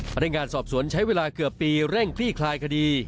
พนักงานสอบสวนใช้เวลาเกือบปีเร่งคลี่คลายคดี